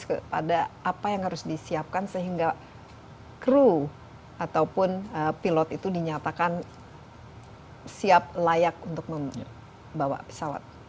kepada apa yang harus disiapkan sehingga kru ataupun pilot itu dinyatakan siap layak untuk membawa pesawat